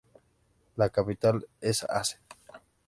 La capital es Assen.